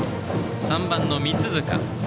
３番の三塚。